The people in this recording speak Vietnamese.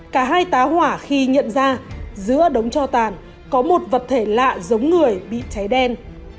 cả hai tá hỏa khi nhận ra giữa đống cho tàn có một vật thể lạ giống người bị cháy đen